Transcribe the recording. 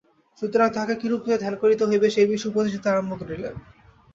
সুতরাং তাঁহাকে কিরূপে ধ্যান করিতে হইবে, সেই বিষয়ে উপদেশ দিতে আরম্ভ করিলেন।